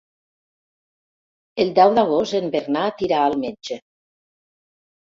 El deu d'agost en Bernat irà al metge.